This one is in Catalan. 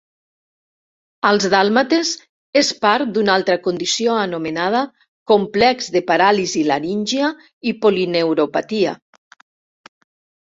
Als dàlmates és part d'una altra condició anomenada "complex de paràlisi laríngia i polineuropatia".